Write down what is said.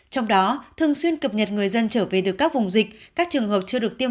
trong đó thường xuyên cập nhật người dân trở về từ các vùng dịch các trường hợp chưa được tiêm